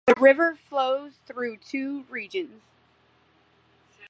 The river flows through two regions.